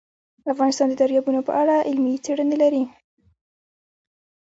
افغانستان د دریابونه په اړه علمي څېړنې لري.